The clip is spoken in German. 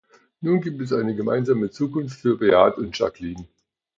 Nun gibt es eine gemeinsame Zukunft für Beat und Jacqueline.